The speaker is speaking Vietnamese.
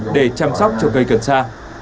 để chăm sóc cho cây cần sa